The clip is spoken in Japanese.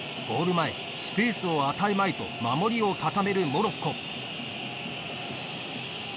前スペースを与えまいと守りを固めるモロッコ。